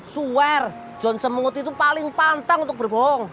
suwer john semut itu paling pantang untuk berbohong